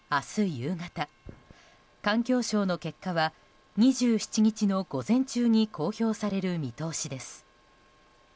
夕方環境省の結果は２７日の午前中に公表される見通しです。